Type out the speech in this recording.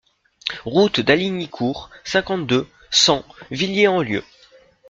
Route d'Hallignicourt, cinquante-deux, cent Villiers-en-Lieu